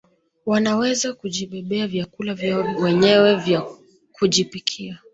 Wanaweza kujibebea vyakula vyao wenyewe vya kujipikia